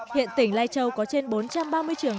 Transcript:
hiện tỉnh lai châu có trên bốn trăm linh trường